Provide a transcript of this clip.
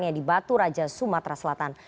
yang dibatu raja sumatera selatan